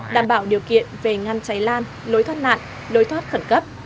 đảm bảo điều kiện về ngăn cháy lan lối thoát nạn lối thoát khẩn cấp